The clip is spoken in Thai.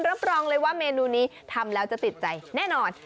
รับรองเลยว่าเมนูนี้ทำแล้วจะติดใจแน่นอน